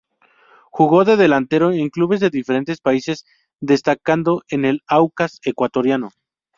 Jugó de delantero en clubes de diferentes países, destacando en el Aucas ecuatoriano.